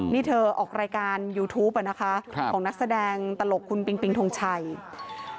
นี่เธอออกรายการยูทูปอ่ะนะคะของนักแสดงตลกคุณปิงปิงทงชัย